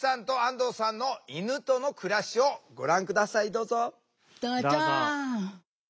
どうぞ。